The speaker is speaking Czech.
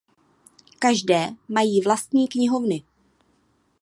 Každé mají vlastní knihovny.